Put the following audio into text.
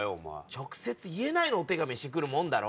直接言えないのをお手紙にして来るもんだろ。